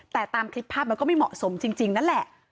แต่ตามคลิปภาพมันก็ไม่เหมาะสมจริงนั่นแหละ